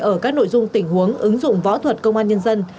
ở các nội dung tình huống ứng dụng võ thuật công an nhân dân